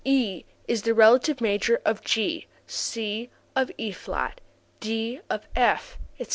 g._, e is the relative minor of G, c of E[flat], d of F, etc.